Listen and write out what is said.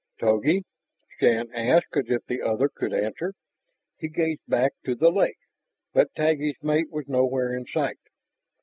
"Togi?" Shann asked as if the other could answer. He gazed back to the lake, but Taggi's mate was nowhere in sight.